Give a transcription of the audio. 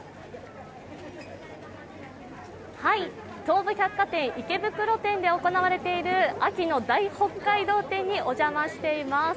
東武百貨店池袋店で行われている秋の大北海道展にお邪魔しています。